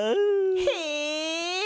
へえ！